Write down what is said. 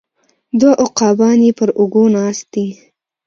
دوه عقابان یې پر اوږو ناست دي